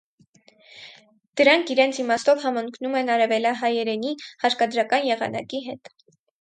Դրանք իրենց իմաստով համընկնում են արևելահայերենի հարկադրական եղանակի հետ։